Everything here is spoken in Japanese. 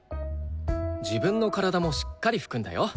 自分の体もしっかり拭くんだよ。